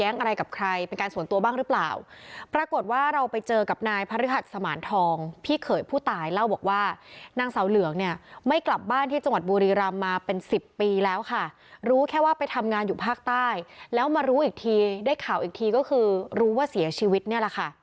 นางสาวเหลืองเนี่ยไม่กลับบ้านที่จังหวัดบุรีรัมมาเป็น๑๐ปีแล้วค่ะรู้แค่ว่าไปทำงานอยู่ภาคใต้แล้วมารู้อีกทีได้ข่าวอีกทีก็คือรู้ว่าเสียชีวิตนี่แหละค่ะ